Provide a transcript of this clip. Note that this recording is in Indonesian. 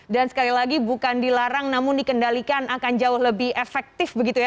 dan sekali lagi bukan dilarang namun dikendalikan akan jauh lebih efektif begitu ya